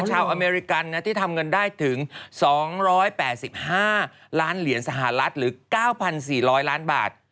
อเมริกันที่ทำเงินได้ถึง๒๘๕ล้านเหรียญสหรัฐหรือ๙๔๐๐ล้านบาท